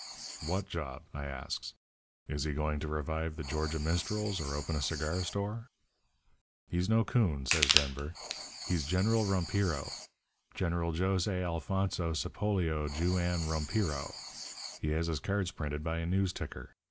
"'What job?' I asks. 'Is he going to revive the Georgia Minstrels or open a cigar store?' "'He's no 'coon,' says Denver. 'He's General Rompiro General Josey Alfonso Sapolio Jew Ann Rompiro he has his cards printed by a news ticker.